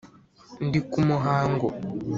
ndi ku muhango.